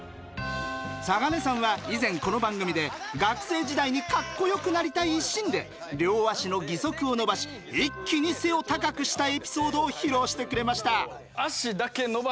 嵯峨根さんは以前この番組で学生時代にカッコよくなりたい一心で両足の義足を伸ばし一気に背を高くしたエピソードを披露してくれました。